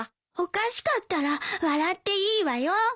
おかしかったら笑っていいわよ。